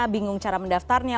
bingung cara mendaftarnya